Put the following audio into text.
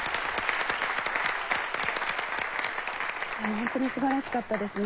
本当に素晴らしかったですね。